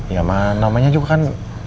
ya mah namanya juga kan